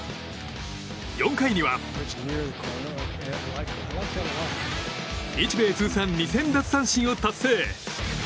４回には日米通算２０００奪三振を達成！